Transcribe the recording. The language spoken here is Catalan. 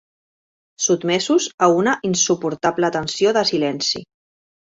Sotmesos a una insuportable tensió de silenci.